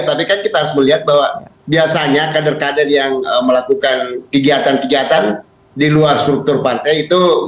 tapi kan kita harus melihat bahwa biasanya kader kader yang melakukan kegiatan kegiatan di luar struktur partai itu